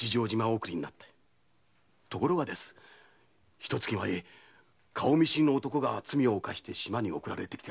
ひと月前顔見知りの男が罪を犯し島に送られてきた。